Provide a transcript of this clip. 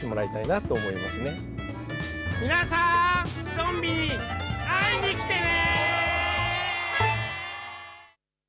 ゾンビに会いに来てね！